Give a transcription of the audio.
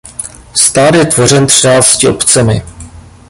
Stát je tvořen třinácti obcemi.